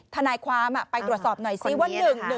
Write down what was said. ทนายความไปตรวจสอบหน่อยซิว่า